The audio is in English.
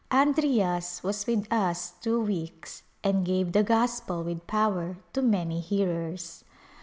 Andriyas v^^as with us two weeks and gave the Gospel with power to many hearers.